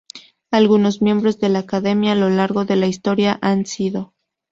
Algunos miembros de la Academia a lo largo de la historia han sido